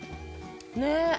ねえ。